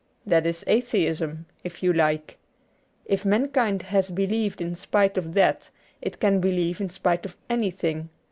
That is Atheism, if you like. If man kind has believed in spite of that, it can believe in spite of anything.